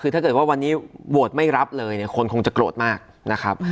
คือถ้าเกิดว่าวันนี้โหวตไม่รับเลยเนี่ยคนคงจะโกรธมากนะครับ